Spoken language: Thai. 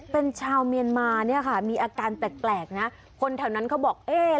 เป็นชาวเมียนมาเนี่ยค่ะมีอาการแปลกนะคนแถวนั้นเขาบอกเอ๊ะ